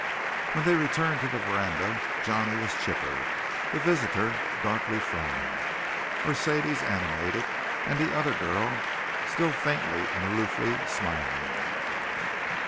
When they returned to the veranda, Johnny was chipper, the visitor darkly frowning, Mercedes animated, and the other girl still faintly and aloofly smiling.